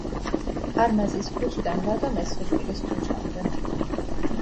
არმაზის ქუჩიდან ლადო მესხიშვილის ქუჩამდე.